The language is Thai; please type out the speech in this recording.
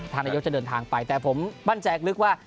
นายกจะเดินทางไปแต่ผมมั่นใจลึกว่า